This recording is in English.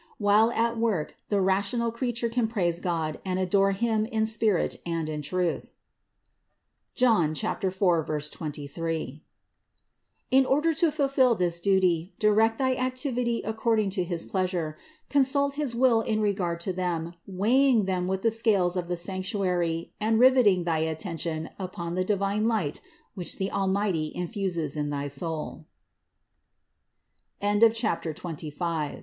While at work the rational creature can praise God and adore Him in spirit and in truth (John 4, 23). In order to fulfill this duty, direct thy activity according to his pleasure, con sult his will in regard to them, weighing them with the scales of the sanctuary and riveting thy attention upon the divine light which the Almighty infuses in thy soul.